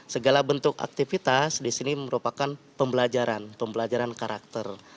segala bentuk aktivitas di sini merupakan pembelajaran pembelajaran karakter